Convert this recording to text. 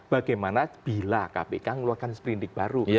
bagaimana bila kpk mengeluarkan seperindik baru